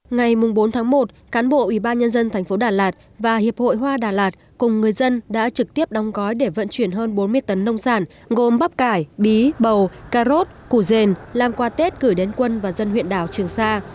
ngày bốn tháng một cán bộ ủy ban nhân dân thành phố đà lạt và hiệp hội hoa đà lạt cùng người dân đã trực tiếp đóng gói để vận chuyển hơn bốn mươi tấn nông sản gồm bắp cải bí bầu cà rốt củ rền làm qua tết gửi đến quân và dân huyện đảo trường sa